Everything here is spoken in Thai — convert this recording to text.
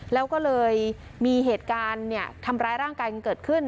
แล้วก็เลยมีเหตุการณ์ทำร้ายร่างกายกันเกิดขึ้น